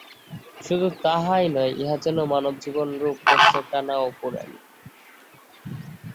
শুধু তাহাই নয়, ইহা যেন মানবজীবনরূপ বস্ত্রের টানা ও পোড়েন।